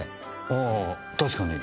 あぁ確かに。